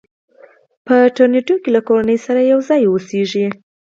په ټورنټو کې له کورنۍ سره یو ځای اوسي.